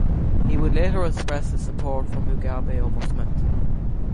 He would later express his support for Mugabe over Smith.